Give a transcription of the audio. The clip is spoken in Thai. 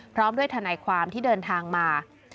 พร้อมด้วยทนายความที่เดินทางมา